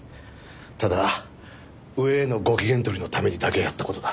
ただ上へのご機嫌取りのためにだけやった事だ。